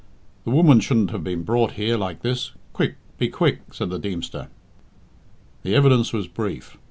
"The woman shouldn't have been brought here like this quick, be quick," said the Deemster. The evidence was brief.